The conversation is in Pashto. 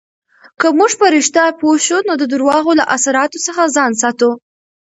که موږ په رښتیا پوه شو، نو د درواغو له اثراتو څخه ځان ساتو.